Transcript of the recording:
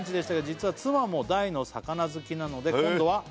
「実は妻も大の魚好きなので」